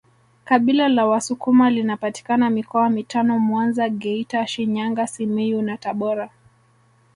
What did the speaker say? Kabila la wasukuma linapatikana mikoa mitano Mwanza Geita Shinyanga Simiyu na Tabora